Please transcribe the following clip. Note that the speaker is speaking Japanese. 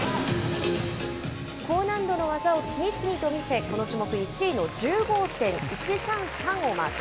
高難度の技を次々と見せ、この種目１位の１５．１３３をマーク。